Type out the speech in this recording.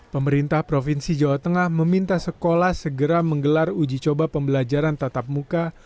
pemerintah provinsi jawa tengah meminta sekolah segera menggelar uji coba pembelajaran tatap muka